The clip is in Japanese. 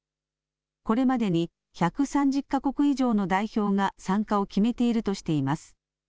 これまでに１３０か国以上の代表が参加を決めているとしています。